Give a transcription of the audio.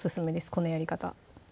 このやり方